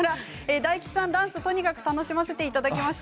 大吉さん、ダンスを楽しませていただきました。